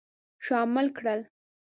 شامل کړل.